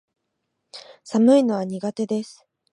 寒いのは苦手です